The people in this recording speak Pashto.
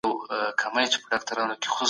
په ګډه پرېکړه کول برکت لري.